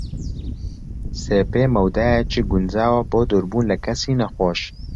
سێ پێ مەودایەکی گونجاوە بۆ دووربوون لە کەسی نەخۆش.